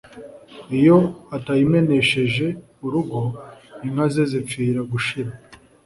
iyo atayimenesheje urugo ,inka ze zipfira gushira